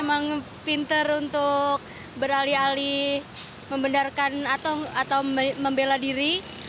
atau membela diri